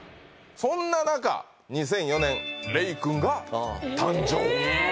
そんな中２００４年玲くんが誕生え！